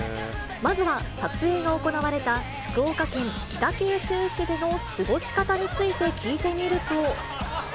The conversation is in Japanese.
まずは、撮影が行われた福岡県北九州市での過ごし方について聞いてみると。